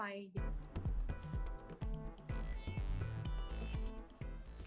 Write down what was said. apa yang terjadi ketika anda menikah